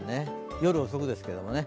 夜遅くですけれどもね。